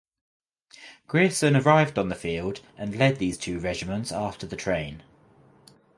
Grierson arrived on the field and led these two regiments after the train.